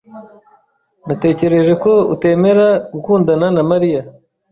Natekereje ko utemera gukundana na Mariya.